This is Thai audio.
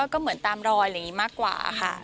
ก็เหมือนตามรอยอะไรอย่างนี้มากกว่าค่ะ